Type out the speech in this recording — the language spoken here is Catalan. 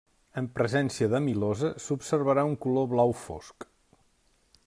En presència d'amilosa, s'observarà un color blau fosc.